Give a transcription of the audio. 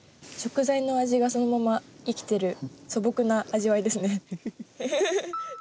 食材の味がそのまま生きてる素朴な味わいですね。